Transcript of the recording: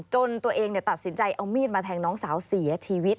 จนตัวเองตัดสินใจเอามีดมาแทงน้องสาวเสียชีวิต